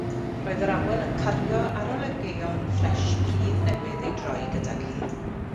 Roedd yr awel yn cario arogleuon ffres pridd newydd ei droi gydag hi.